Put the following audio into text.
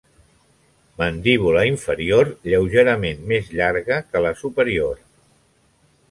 Mandíbula inferior lleugerament més llarga que la superior.